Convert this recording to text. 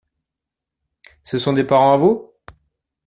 Ce sont des parents à vous ?